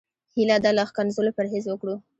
هيله ده له ښکنځلو پرهېز وکړو.